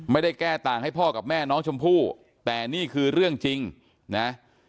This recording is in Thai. ไม่ได้แก้ต่างให้พ่อกับแม่น้องชมพู่แต่นี่คือเรื่องจริงนะ